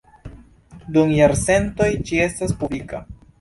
Dum jarcentoj ĝi estas publika.